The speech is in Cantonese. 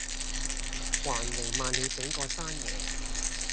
還漓漫了整個山野